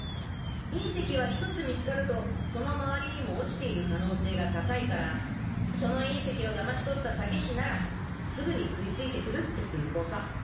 隕石は１つ見つかるとその周りにも落ちている可能性が高いからその隕石を騙し取った詐欺師ならすぐに食いついてくるって寸法さ。